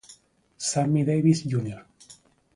Sammy Davis Jr.